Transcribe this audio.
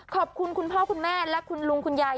ขอบคุณคุณพ่อคุณแม่และคุณลุงคุณยาย